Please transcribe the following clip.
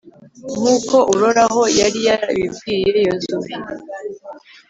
nk'uko uroraho yari yabibwiye yozuwe